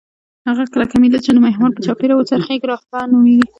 هغه کلکه میله چې د محور په چاپیره وڅرخیږي رافعه نومیږي.